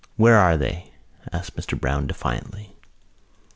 "Where are they?" asked Mr Browne defiantly.